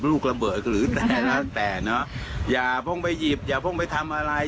ลูกระเบิดหรือแต่แล้วแต่เนอะอย่าเพิ่งไปหยิบอย่าเพิ่งไปทำอะไร